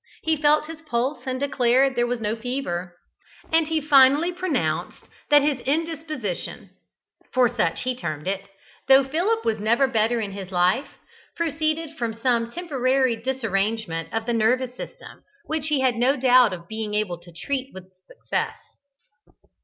He felt his pulse and declared there was no fever, and he finally pronounced that his indisposition for such he termed it though Philip was never better in his life, proceeded from some temporary disarrangement of the nervous system, which he had no doubt of being able to treat with success.